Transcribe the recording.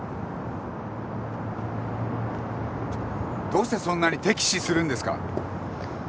どうしてそんなに敵視するんですか？